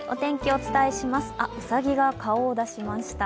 うさぎが顔を出しました。